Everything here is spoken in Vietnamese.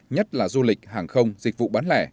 nhất là du lịch hàng không dịch vụ bán lẻ